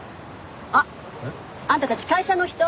あっあんたたち会社の人？